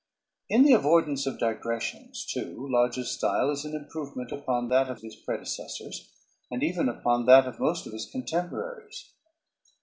In the avoidance of digressions, too, Lodge's style is an improvement upon that of his predecessors, and even upon that of most of his contemporaries.